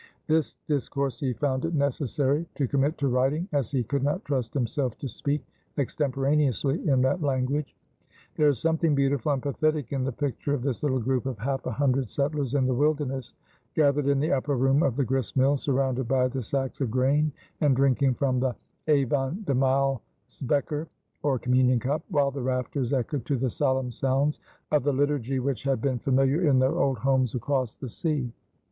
This discourse he found it necessary to commit to writing, as he could not trust himself to speak extemporaneously in that language. There is something beautiful and pathetic in the picture of this little group of half a hundred settlers in the wilderness, gathered in the upper room of the grist mill, surrounded by the sacks of grain, and drinking from the avondmaalsbeker, or communion cup, while the rafters echoed to the solemn sounds of the liturgy which had been familiar in their old homes across the sea.